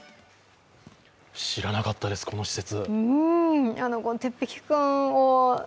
知らなかったです、この施設。